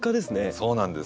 そうなんです。